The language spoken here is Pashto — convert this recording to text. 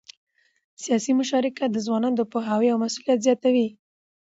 سیاسي مشارکت د ځوانانو د پوهاوي او مسؤلیت زیاتوي